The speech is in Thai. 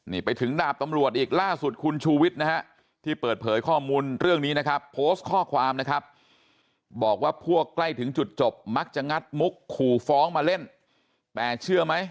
นี่ไปถึงดาบตำรวจอีกล่าสุดคุณชุวิตนะฮะ